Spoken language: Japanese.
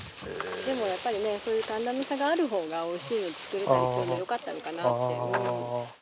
でもやっぱりねこういう寒暖差があるほうがおいしいのが作れたりするのでよかったのかなって。